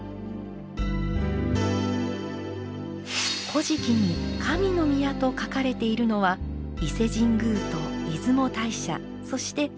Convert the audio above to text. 「古事記」に「神の宮」と書かれているのは伊勢神宮と出雲大社そしてここだけです。